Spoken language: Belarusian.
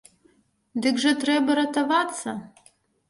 Дык жа трэба ратавацца.